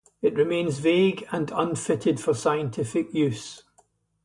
It remains vague and unfitted for scientific use.